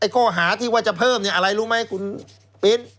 ข้อหาที่ว่าจะเพิ่มอะไรรู้ไหมคุณปิ๊น